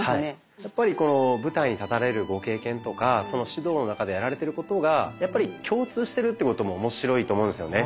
やっぱりこの舞台に立たれるご経験とか指導の中でやられてることがやっぱり共通してるということも面白いと思うんですよね。